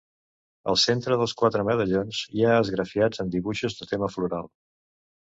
Al centre dels quatre medallons hi ha esgrafiats amb dibuixos de tema floral.